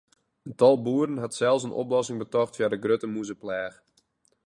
In tal boeren hat sels in oplossing betocht foar de grutte mûzepleach.